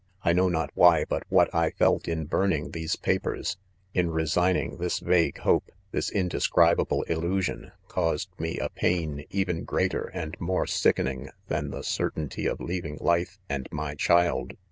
— I know not whyi ■but; what I felt in burning •these papers, in resigning this vague hope' — this indescribable illusion, caused me a pain even/ greater^ aM more sickening than the certainty ^; of' leaving life,; and my child.